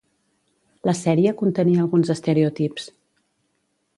La sèrie contenia alguns estereotips.